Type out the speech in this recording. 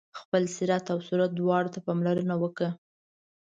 خپل سیرت او صورت دواړو ته پاملرنه وکړه.